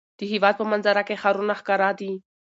د هېواد په منظره کې ښارونه ښکاره دي.